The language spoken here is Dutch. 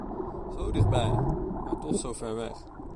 Zo dichtbij, maar toch zover weg.